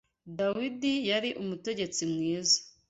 Dawidi yari umutegetsi mwiza